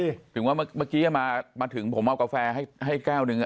ถึงว่าเมื่อกี้มาถึงผมเอากาแฟให้แก้วหนึ่ง